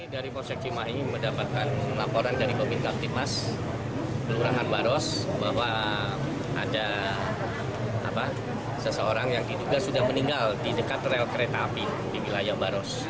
dari polsek cimahi mendapatkan laporan dari komika timnas kelurahan baros bahwa ada seseorang yang diduga sudah meninggal di dekat rel kereta api di wilayah baros